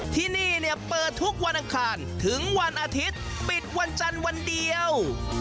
ที่นี่เนี่ยเปิดทุกวันอังคารถึงวันอาทิตย์ปิดวันจันทร์วันเดียว